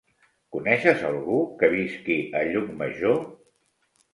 Coneixes algú que visqui a Llucmajor?